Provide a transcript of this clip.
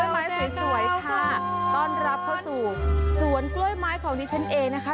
ไม้สวยค่ะต้อนรับเข้าสู่สวนกล้วยไม้ของดิฉันเองนะคะ